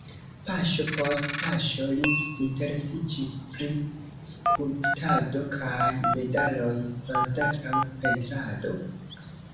Paŝo post paŝo li interesiĝis pri skulptado kaj medaloj anstataŭ pentrado.